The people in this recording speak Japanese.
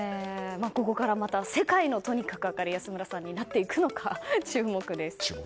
ここから世界のとにかく明るい安村さんになるのか注目です。